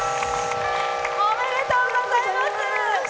おめでとうございます！